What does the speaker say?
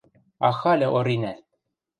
— Ахальы Оринӓ!